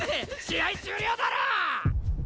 試合終了だろ！